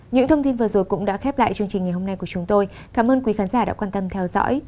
những thông tin vừa rồi cũng đã khép lại chương trình ngày hôm nay của chúng tôi cảm ơn quý khán giả đã quan tâm theo dõi